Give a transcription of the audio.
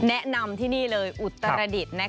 แนะนำที่นี่เลยอุตรดิษฐ์